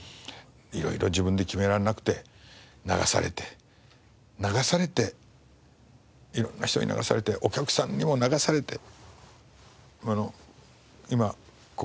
色々自分で決められなくて流されて流されて色んな人に流されてお客さんにも流されて今ここにいますと。